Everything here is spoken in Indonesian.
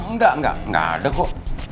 nggak nggak nggak ada kok